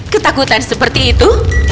ketakutan seperti itu